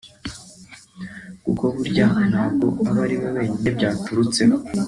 kuko burya ntabwo aba ri we wenyine byaturutseho